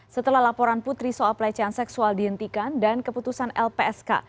setelah laporan putri soal pelecehan seksual dihentikan dan keputusan lpsk